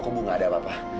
kok ibu gak ada apa apa